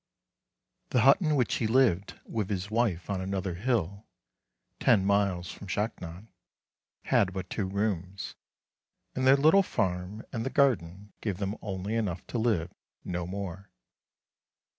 The hut in which he lived with his wife on another hill, ten miles from Shaknon, had but two rooms, and their little farm and the garden gave them only enough' to live, no more.